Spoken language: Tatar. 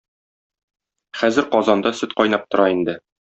Хәзер казанда сөт кайнап тора инде.